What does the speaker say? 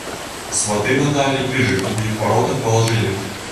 Сваты надалей крыжык у іх варотах палажылі.